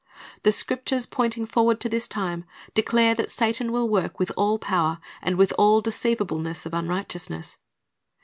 The Scriptures pointing forward to this time declare that Satan will work with all power and "with all deceivableness of unrighteousness."